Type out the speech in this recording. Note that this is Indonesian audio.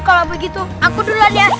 kalau begitu aku duluan ya